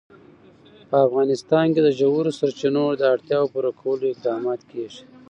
په افغانستان کې د ژورو سرچینو د اړتیاوو پوره کولو اقدامات کېږي.